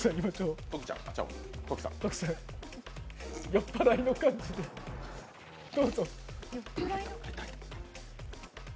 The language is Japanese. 酔っ払いの感じで、どうぞ。